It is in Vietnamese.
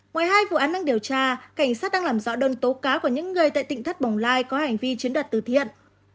ngoài hai vụ án đang điều tra cảnh sát đang làm rõ đơn tố cáo của những người tại tỉnh thất bồng lai có hành vi chiếm đoạt từ thiện